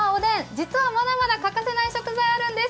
実は、まだまだ欠かせない食材があるんです。